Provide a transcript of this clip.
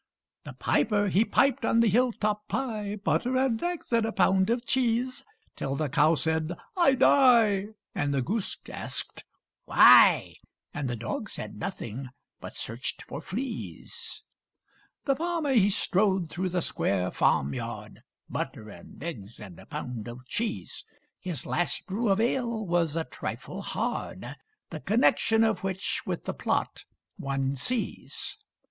The piper he piped on the hill top high, (Butter and eggs and a pound of cheese) Till the cow said "I die," and the goose asked "Why?" And the dog said nothing, but searched for fleas. The farmer he strode through the square farmyard; (Butter and eggs and a pound of cheese) His last brew of ale was a trifle hard The connection of which with the plot one sees.